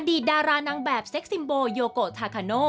ดารานางแบบเซ็กซิมโบโยโกทาคาโน